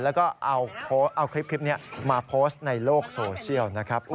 แล้วก็เอาคลิปนี้มาโพสต์ในโลกโซเชียลนะครับ